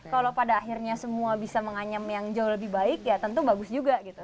kalau pada akhirnya semua bisa menganyam yang jauh lebih baik ya tentu bagus juga gitu